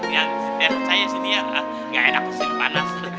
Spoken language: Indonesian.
ya udah saya sini ya enggak enak masih panas